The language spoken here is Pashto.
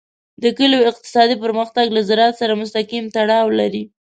د کلیو اقتصادي پرمختګ له زراعت سره مستقیم تړاو لري.